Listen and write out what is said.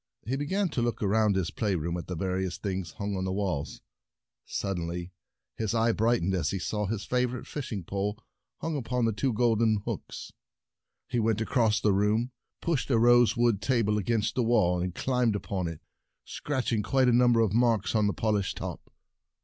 He began to look around his play room, at the various things hung on the walls. Suddenly his eye brightened as he saw his favor ite fishing pole hung upon two golden hooks. He went across the room, pushed a rosewood table against the wall, and climbed up on it, scratching A Fishing and the Dragons quite a number of marks on the Bait polished top.